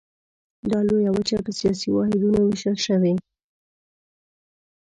دا لویه وچه په سیاسي واحدونو ویشل شوې.